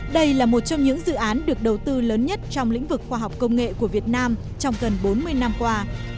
đây là một trong những dự án được đầu tư lớn nhất trong lĩnh vực khoa học công nghệ của việt nam trong gần bốn mươi năm qua